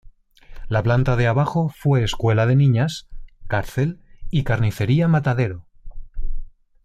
La planta de abajo fue escuela de niñas, cárcel y carnicería matadero.